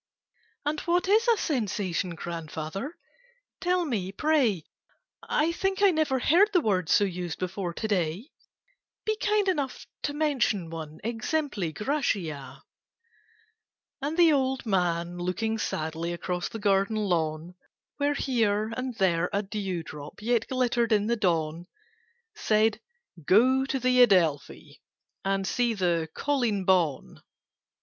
"And what is a Sensation, Grandfather, tell me, pray? I think I never heard the word So used before to day: Be kind enough to mention one 'Exempli gratiâ.'" And the old man, looking sadly Across the garden lawn, Where here and there a dew drop Yet glittered in the dawn, Said "Go to the Adelphi, And see the 'Colleen Bawn.